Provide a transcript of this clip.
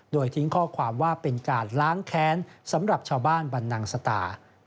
โดยทิ้งข้อความว่าเป็นการล้างแค้นสำหรับชาวบ้านบรรนังสตา